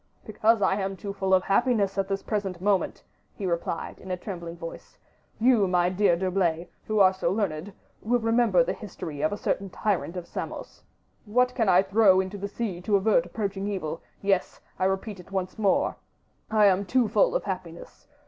"Because I am too full of happiness at this present moment," he replied, in a trembling voice. "You, my dear D'Herblay, who are so learned, will remember the history of a certain tyrant of Samos. What can I throw into the sea to avert approaching evil? Yes! I repeat it once more, I am too full of happiness!